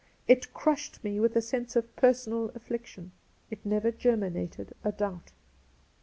It crushed me with a sense of personal affliction. It never germinated a doubt.